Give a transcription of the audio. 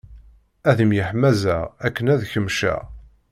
Ad myeḥmaẓeɣ akken ad kecmeɣ.